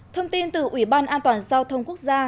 thông tin từ ủy ban an toàn giao thông quốc gia